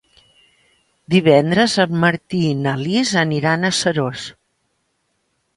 Divendres en Martí i na Lis aniran a Seròs.